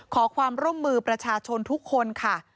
ขอความร่วมมือประชาชนทุกคนค่ะ